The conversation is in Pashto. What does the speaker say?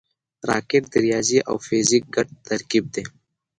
راکټ د ریاضي او فزیک ګډ ترکیب دی